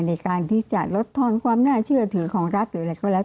ในการที่จะลดทอนความน่าเชื่อถือของรัฐหรืออะไรก็แล้ว